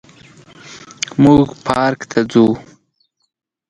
موږ پارک ته ځو